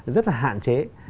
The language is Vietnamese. rất là hạn chế